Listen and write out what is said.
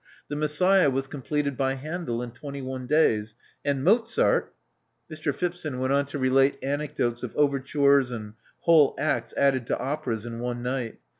The Messiah was completed by Handel in twenty one days ; and Mozart " Mr. Phipson went on to relate anecdotes of overtures and whole acts added to operas in one night.